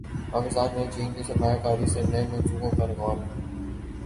پاکستان میں چین کی سرمایہ کاری سے نئے منصوبوں پر غور